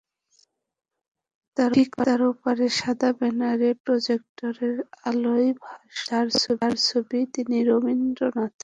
ঠিক তার ওপরে সাদা ব্যানারে প্রজেক্টরের আলোয় ভাসল যাঁর ছবি, তিনি রবীন্দ্রনাথ।